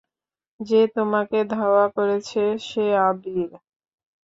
যে তোমাকে ধাওয়া করেছে সে আভীর।